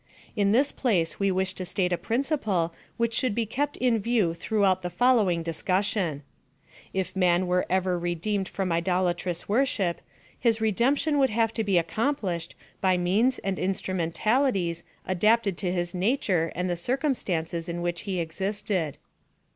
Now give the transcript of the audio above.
In this place we wish to state a principle which should be kept in view throughout the following discussion :— If man were ever redeemed from, idolatrous worship^ his redem^ption loould have to be accomplished by means and instrumentalities adapted to his na ture and the circumstances iti which he existed.